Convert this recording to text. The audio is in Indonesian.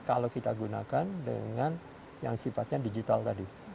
kalau kita gunakan dengan yang sifatnya digital tadi